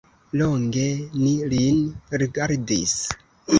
Longe ni lin rigardis.